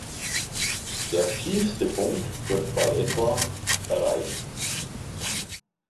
Der tiefste Punkt wird bei etwa erreicht.